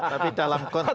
tapi dalam konteks